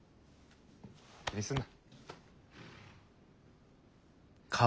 気にするな。